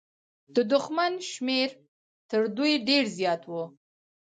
د دښمن شمېر تر دوی ډېر زيات و.